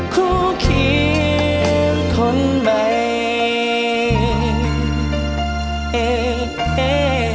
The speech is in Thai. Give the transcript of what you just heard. ครูเคียงคนใหม่